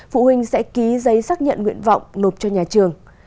phụ huynh sẽ ký giấy xác nhận nguyện vọng nộp cho nhà trường